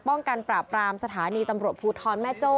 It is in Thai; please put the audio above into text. ป้องกันปราบปรามสถานีตำรวจภูทรแม่โจ้